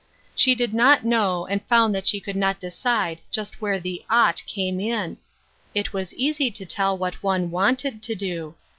She did not know, and found that she could not decide just where the "ought" came in. It was easy to tell what one wanted to do.